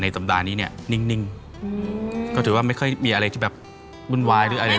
สัปดาห์นี้เนี่ยนิ่งก็ถือว่าไม่ค่อยมีอะไรที่แบบวุ่นวายหรืออะไร